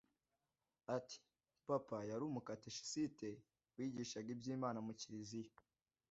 Ati “ Papa yari umukateshisite(wigisha iby’Imana muri Kiliziya)